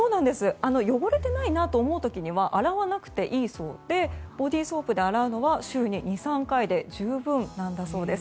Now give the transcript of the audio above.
汚れてないと思う時には洗わなくていいそうでボディーソープで洗うのは週に２３回で十分なんだそうです。